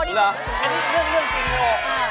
อันนี้เรื่องกินโลก